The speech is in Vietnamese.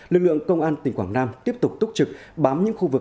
lực lượng công an tỉnh quảng nam tiếp tục túc trực bám những khu vực